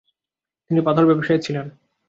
তিনি পাথর ব্যবসায়ী ছিলেন।